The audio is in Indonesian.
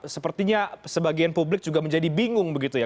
sepertinya sebagian publik juga menjadi bingung begitu ya